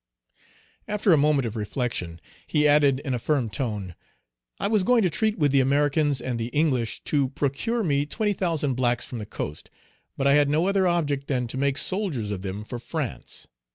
After a moment of reflection, he added, in a firm tone, "I was going to treat with the Americans and the English to procure me twenty thousand blacks from the coast, but I had no other object than to make soldiers of them for France.